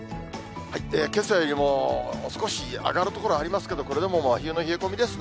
けさよりも少し上がる所ありますけど、これでも真冬の冷え込みですね。